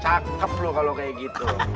cakep loh kalau kayak gitu